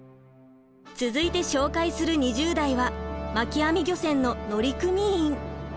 続いて紹介する２０代は巻き網漁船の乗組員。